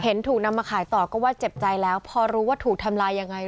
ถูกนำมาขายต่อก็ว่าเจ็บใจแล้วพอรู้ว่าถูกทำลายยังไง